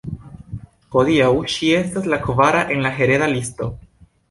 Hodiaŭ ŝi estas la kvara en la hereda listo.